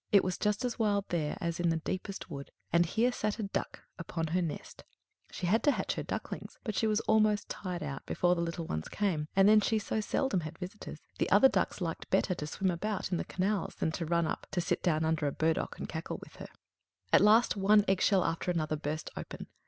It was just as wild there as in the deepest wood, and here sat a Duck upon her nest; she had to hatch her ducklings; but she was almost tired out before the little ones came and then she so seldom had visitors. The other ducks liked better to swim about in the canals than to run up to sit down under a burdock, and cackle with her. At last one egg shell after another burst open.